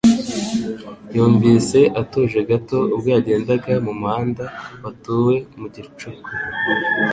yumvise atuje gato ubwo yagendaga mu muhanda watuwe mu gicuku.